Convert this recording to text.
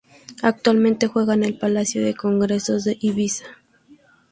Actualmente juega en el Palacio de Congresos de Ibiza.